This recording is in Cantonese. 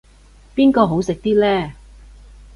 邊個好食啲呢